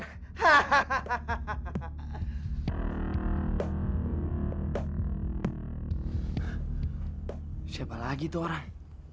hahaha siapa lagi tuh orang